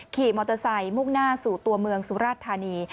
ขี่มอเตอร์ไซค์มุ่งหน้าสู่ตัวเมืองสุราชธานี